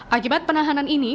akibat penahanan ini